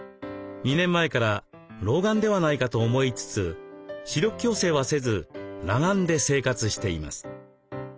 ２年前から老眼ではないかと思いつつ視力矯正はせず裸眼で生活しています。